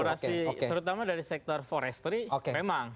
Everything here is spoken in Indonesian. kolaborasi terutama dari sektor forestry memang